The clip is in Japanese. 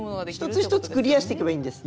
１つ１つクリアしていけばいいんです。